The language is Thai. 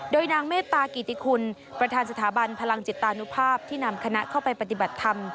โดยนางเมตตากิติคุณประธานสถาบันพลังจิตานุภาพที่นำคณะเข้าไปปฏิบัติธรรม